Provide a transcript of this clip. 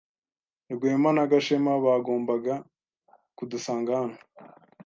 Rwema na Gashema bagombaga kudusanga hano.